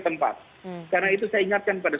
tempat karena itu saya ingatkan pada